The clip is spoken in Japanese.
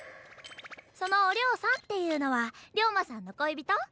そのお龍さんっていうのは龍馬さんのこいびと？